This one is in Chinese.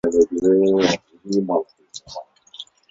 广泛布于热带地区。